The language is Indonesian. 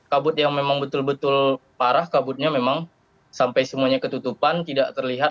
kabut yang memang betul betul parah kabutnya memang sampai semuanya ketutupan tidak terlihat